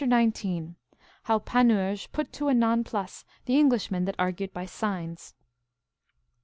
XIX. How Panurge put to a nonplus the Englishman that argued by signs.